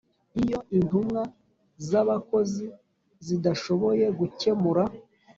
Iyo intumwa z abakozi zidashoboye gukemura